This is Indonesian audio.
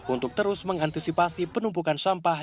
untuk terus mengantisipasi penumpukan sampah